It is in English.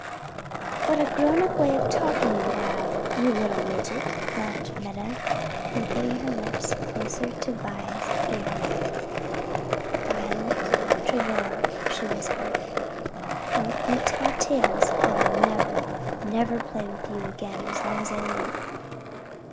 "What a grown up way of talking you have, you little midget," laughed Meta. Then putting her lips close to Vi's ear, "Violet Travilla," she whispered, "don't you tell tales, or I'll never, never play with you again as long as I live."